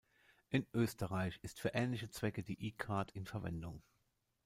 In Österreich ist für ähnliche Zwecke die e-card in Verwendung.